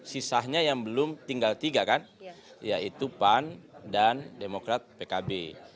sisanya yang belum tinggal tiga kan yaitu pan dan demokrat pkb